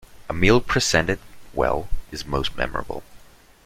A meal presented well is most memorable.